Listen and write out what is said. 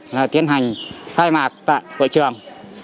là tiến hành khai mạc tại hội trường